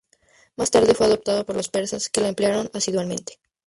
Más tarde fue adoptada por los persas, que la emplearon asiduamente.